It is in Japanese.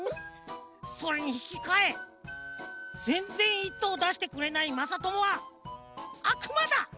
それにひきかえぜんぜん１とうだしてくれないまさともはあくまだ！